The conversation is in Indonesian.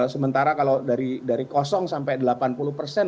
sementara kalau dari kosong sampai delapan puluh persen